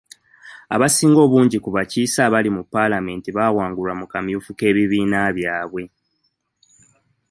Abasinga obungi ku bakiise abali mu paalamenti baawangulwa mu kamyufu k'ebibiina byabwe.